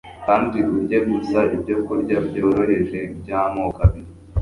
kandi urye gusa ibyokurya byoroheje byamoko abiri